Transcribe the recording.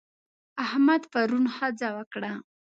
احمد پرون ښځه وکړه.